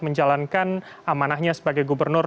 menjalankan amanahnya sebagai gubernur